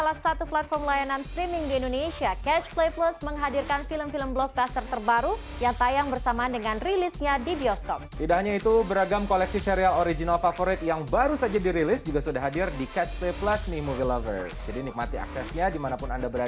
halo selamat datang kembali di catch play plus movie lovers preview